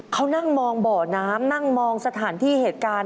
เขานั่งมองบ่อน้ำนั่งมองสถานที่เหตุการณ์